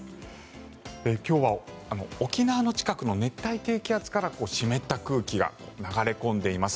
今日は沖縄の近くの熱帯低気圧から湿った空気が流れ込んでいます。